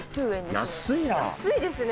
安いですね！